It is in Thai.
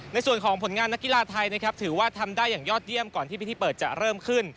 ในส่วนของผลงานนักกีฬาไทยนะครับถือว่าทำได้อย่างยอดเยี่ยมก่อนที่พิธีเปิดจะเริ่มขึ้น